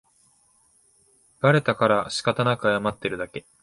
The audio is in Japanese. バレたからしかたなく謝ってるだけ